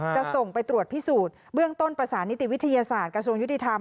จะส่งไปตรวจพิสูจน์เบื้องต้นประสานนิติวิทยาศาสตร์กระทรวงยุติธรรม